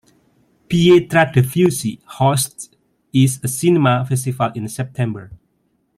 Pietradefusi hosts is a Cinema Festival in September.